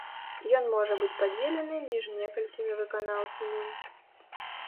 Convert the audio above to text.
Ён можа быць падзелены між некалькімі выканаўцамі.